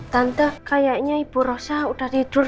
tante kayaknya ibu rosa udah tidur